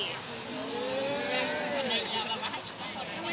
มันได้ยาวแล้วไง